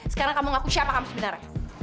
sekarang kamu ngaku siapa kamu sebenarnya